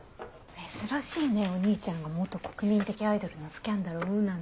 珍しいねお兄ちゃんが国民的アイドルのスキャンダルを追うなんて。